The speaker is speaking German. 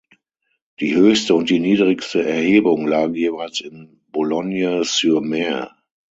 Die höchste und die niedrigste Erhebung lagen jeweils in Boulogne-sur-Mer.